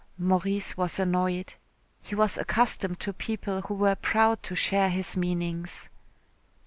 Maurice was annoyed. He was accustomed to people who were proud to share his meanings.